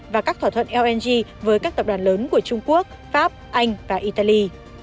và các thỏa thuận lng với các tập đoàn lớn của trung quốc pháp anh và italy